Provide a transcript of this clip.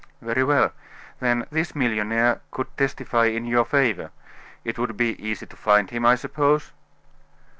"Very well! Then this millionaire could testify in your favor; it would be easy to find him, I suppose?"